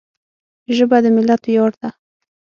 ژبه د ملت ویاړ ده